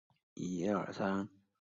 罗斯福在优渥的环境下长大。